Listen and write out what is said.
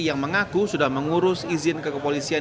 hti yang mengaku sudah mengurus izin kekepolisian